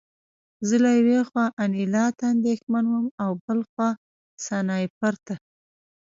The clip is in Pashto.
زه له یوې خوا انیلا ته اندېښمن وم او بل خوا سنایپر ته